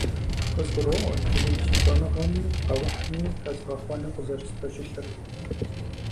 КъызгуроӀуэ иджыри си щӀэныгъэми къэухьми хэзгъэхъуэну къызэрыспэщылъыр.